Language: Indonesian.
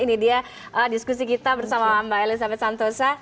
ini dia diskusi kita bersama mbak elizabeth santosa